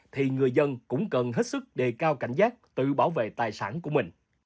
thì người dân cũng cần hết sức đề cao cảnh giác tự bảo vệ tài sản của mình